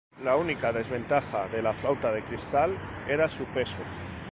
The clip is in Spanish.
La única desventaja de la flauta de cristal era su peso.